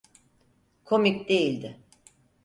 Komik değildi.